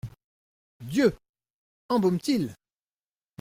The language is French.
Dieu ! embaume-t-il !